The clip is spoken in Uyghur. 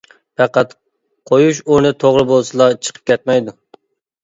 پەقەت قويۇش ئورنى توغرا بولسىلا، چىقىپ كەتمەيدۇ.